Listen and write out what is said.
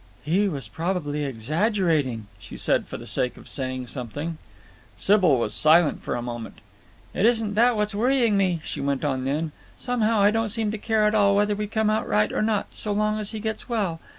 "He was probably exaggerating," she said for the sake of saying something. Sybil was silent for a moment. "It isn't that that's worrying me," she went on then. "Somehow I don't seem to care at all whether we come out right or not, so long as he gets well.